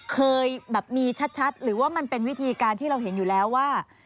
เคยแบบมีชัดหรือว่ามันเป็นวิธีการที่เราเห็นอยู่แล้วว่า